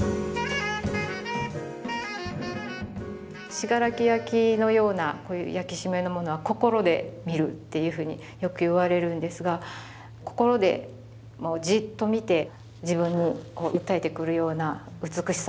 信楽焼のようなこういう焼締めのものは心で観るというふうによく言われるんですが心でじっと観て自分に訴えてくるような美しさ。